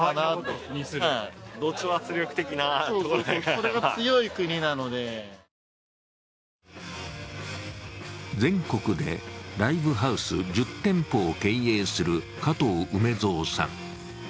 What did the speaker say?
その理由を聞くと全国でライブハウス１０店舗を経営する加藤梅造さん。